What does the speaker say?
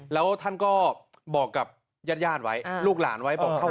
แล้วท่านก็บอกกับญาติไว้ลูกหลานไว้บอก